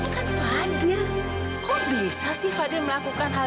kok bisa sih fadil melakukan hal